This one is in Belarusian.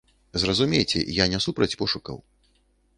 Зразумейце, я не супраць пошукаў.